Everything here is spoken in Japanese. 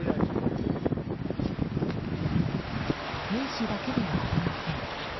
兵士だけではありません。